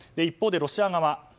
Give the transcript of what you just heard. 一方でロシア側。